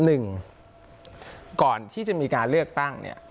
หนึ่งก่อนที่จะมีการเลือกตั้งเนี่ย